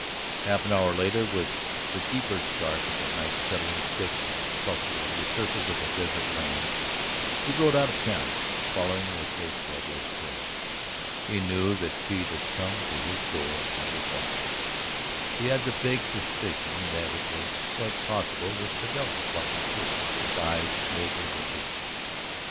Half an hour later, with the deeper dark of the night settling thick and sultry over the surface of the desert lands, he rode out of town following the Tres Robles trail. He knew that Pete had come to his door and was watching; he had the vague suspicion that it was quite possible that Vidal was watching, too, with eyes smouldering with hatred.